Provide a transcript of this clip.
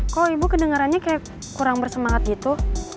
kok ibu kedengarannya kayak kurang bersemangat gitu